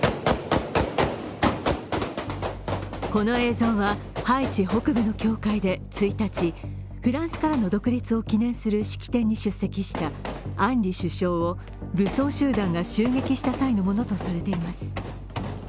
この映像はハイチ北部の教会で１日フランスからの独立を記念する式典に出席したアンリ首相を武装集団が襲撃した際にものとされています。